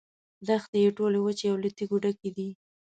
دښتې یې ټولې وچې او له تیږو ډکې دي.